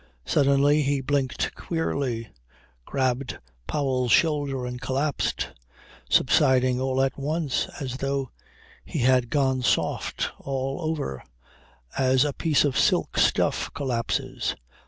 Suddenly he blinked queerly, grabbed Powell's shoulder and collapsed, subsiding all at once as though he had gone soft all over, as a piece of silk stuff collapses.